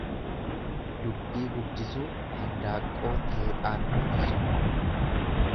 Dubbii guddisuu handaanqoo teephaan kuffisuu.